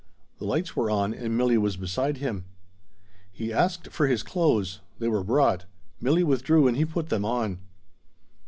The lights were on and Milli was beside him. He asked for his clothes. They were brought. Milli withdrew and he put them on.